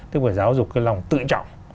tức là phải giáo dục cái lòng tự trọng